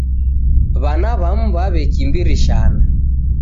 W'ana w'amu w'aw'ekimbirishana.